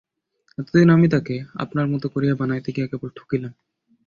এতদিন আমি তাঁকে আপনার মতো করিয়া বানাইতে গিয়া কেবল ঠকিলাম।